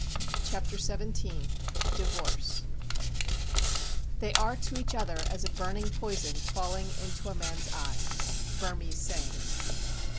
CHAPTER XVII DIVORCE 'They are to each other as a burning poison falling into a man's eye.' _Burmese saying.